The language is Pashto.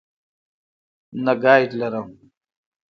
نه ګائیډ لرم.